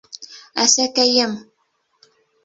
Әсәкәйем...